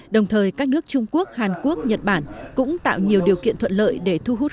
đồng thời các nước trung quốc hàn quốc nhật bản cũng tạo nhiều điều kiện thuận lợi để thu hút